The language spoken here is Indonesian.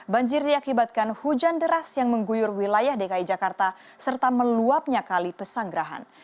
banjir diakibatkan hujan deras yang mengguyur wilayah dki jakarta serta meluapnya kali pesanggerahan